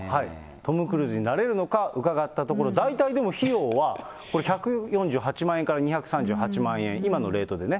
トム・クルーズになれるのか伺ったところ、大体、でも費用はこれ１４８万円から２３８万円、今のレートでね。